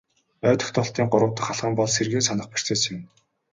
Ой тогтоолтын гурав дахь алхам бол сэргээн санах процесс юм.